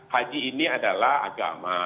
haji ini adalah agama